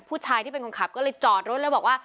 ผู้ชายที่เป็นคนขับก็เลยจอดรถแล้วบอกว่า